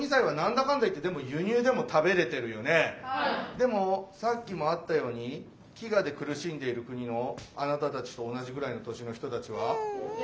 でもさっきもあったように飢餓で苦しんでいる国のあなたたちと同じぐらいの年の人たちは？